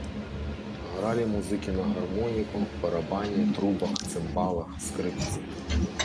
Гралі музыкі на гармоніку, барабане, трубах, цымбалах, скрыпцы.